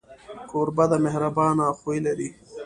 کوربه د مهربانۍ خوی لري.